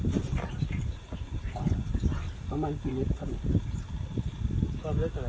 สวัสดีครับ